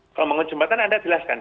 kalau mau jembatan anda jelaskan